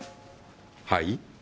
はい？